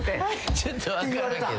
ちょっと分からんけど。